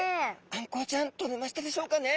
あんこうちゃんとれましたでしょうかね？